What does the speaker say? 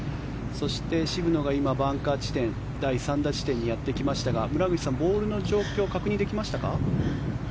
そして、渋野が今、バンカー地点第３打地点にやってきましたが村口さん、ボールの状況は確認できましたか。